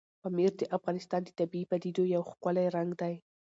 پامیر د افغانستان د طبیعي پدیدو یو ښکلی رنګ دی.